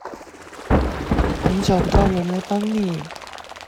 你找不到人來幫你